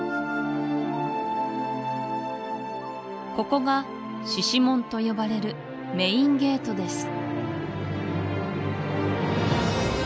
ここが獅子門と呼ばれるメインゲートです